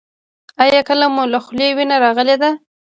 ایا کله مو له خولې وینه راغلې ده؟